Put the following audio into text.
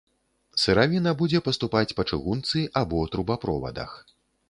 Сыравіна будзе паступаць па чыгунцы або трубаправодах.